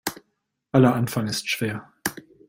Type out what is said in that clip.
Aller Anfang ist schwer.